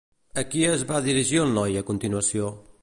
A qui es va dirigir el noi, a continuació?